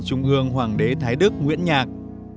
trung ương hoàng đế thái đức nguyễn nhạc